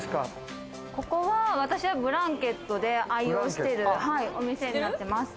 ここは私がブランケットで愛用してるお店になってます。